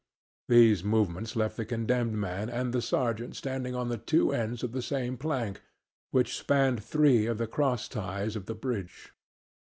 These movements left the condemned man and the sergeant standing on the two ends of the same plank, which spanned three of the cross ties of the bridge.